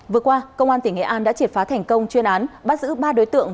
vừa qua công an tỉnh nghệ an đã triệt phá thành công chuyên án bắt giữ ba đối tượng